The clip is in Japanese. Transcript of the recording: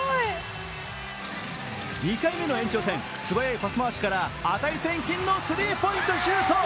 ２回目の延長戦、素早しパス回しから値千金のスリーポイントシュート。